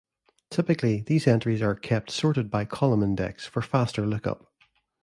Typically, these entries are kept sorted by column index for faster lookup.